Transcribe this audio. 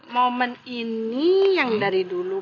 momen ini yang dari dulu